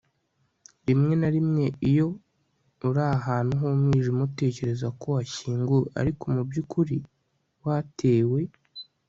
rimwe na rimwe iyo uri ahantu h'umwijima utekereza ko washyinguwe, ariko mu by'ukuri watewe